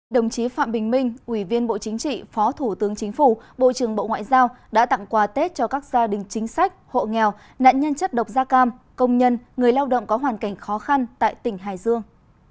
đồng chí phạm bình minh ủy viên bộ chính trị phó thủ tướng chính phủ bộ trưởng bộ ngoại giao đã tặng quà tết cho các gia đình chính sách hộ nghèo nạn nhân chất độc da cam công nhân người lao động có hoàn cảnh khó khăn tại tỉnh hải dương